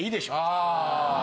ああ。